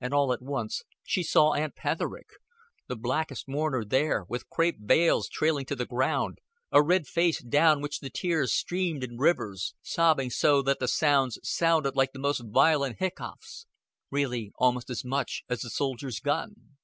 And all at once she saw Aunt Petherick the blackest mourner there, with crape veils trailing to the ground, a red face down which the tears streamed in rivers; sobbing so that the sobs sounded like the most violent hiccoughs; really almost as much noise as the soldiers' gun.